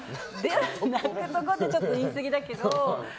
泣くとこ？ってちょっと言い過ぎだけど。